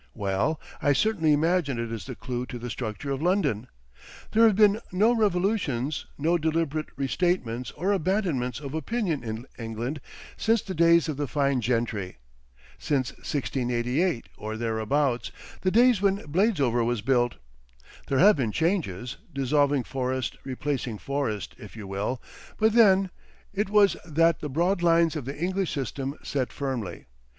Well, I certainly imagine it is the clue to the structure of London. There have been no revolutions no deliberate restatements or abandonments of opinion in England since the days of the fine gentry, since 1688 or thereabouts, the days when Bladesover was built; there have been changes, dissolving forest replacing forest, if you will; but then it was that the broad lines of the English system set firmly.